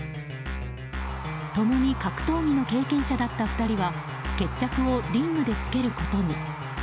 共に格闘技の経験者だった２人は決着をリングでつけることに。